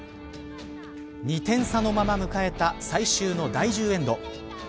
２点差のまま迎えた最終の第１０エンド。